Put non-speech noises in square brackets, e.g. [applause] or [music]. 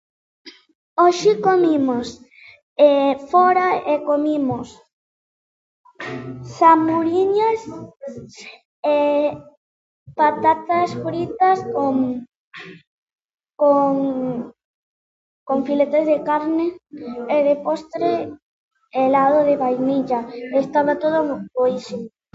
Hoxe comimos [hesitation] fóra e comimos zamburiñas, [hesitation] patatas fritas con con con filetes de carne e de postre helado de vainilla, estaba todo boísimo.